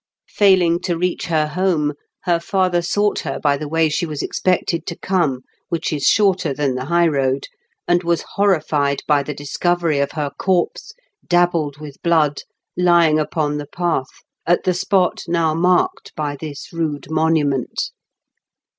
Failing to reach her home, her father sought her by the way she was expected to come, which is shorter than the high road, and was horrified by the discovery of her corpse, dabbled with blood, lying upon the path, at the spot now marked by this rude monument.